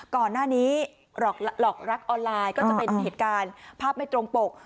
ก่อนหน้านี้หลอกรักออนไลน์ก็จะเป็นเหตุการณ์ภาพไม่ตรงปก